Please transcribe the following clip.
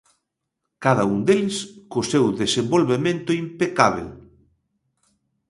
Cada un deles co seu desenvolvemento impecábel.